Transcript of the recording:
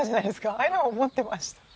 ああいうのも持ってました。